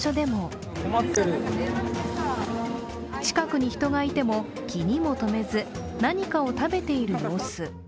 近くに人がいても気にも留めず何かを食べている様子。